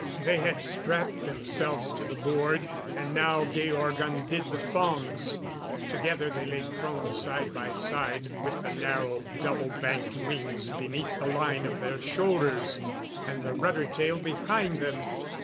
They had strapped themselves to the board, and now Georg undid the thongs. Together they lay prone, side by side, with the narrow, double banked wings beneath the line of their shoulders, and the rudder tail behind them.